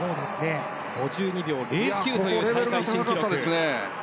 ５２秒０９という大会新記録。